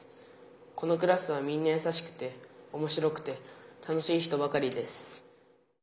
このクラスはみんなやさしくておもしろくて楽しい人ばかりです」。